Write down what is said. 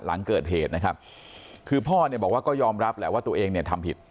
หลังเกิดเหตุนะครับคือพ่อเนี่ยบอกว่าก็ยอมรับแหละว่าตัวเองเนี่ยทำผิด